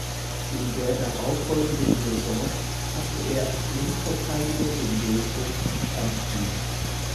In der darauffolgenden Saison schaffte er als Linksverteidiger den Durchbruch zum Stammspieler.